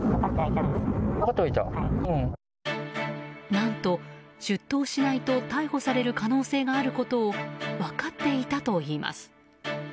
何と、出頭しないと逮捕される可能性があることを分かっていたといいます。